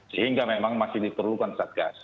sehingga memang masih diperlukan satgas